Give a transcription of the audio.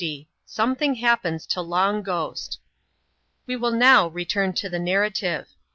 193 CHAPTER L. Something happens to Long Ghost. We will now return to the narrative.